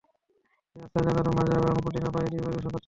পেঁয়াজ ভাজা, কাজুবাদাম ভাজা এবং পুদিনা পাতা দিয়ে পরিবেশন করতে পারেন।